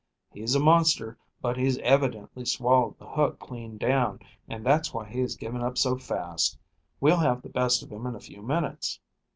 He's a monster, but he's evidently swallowed the hook clean down, and that's why he is giving up so fast. We'll have the best of him in a few minutes."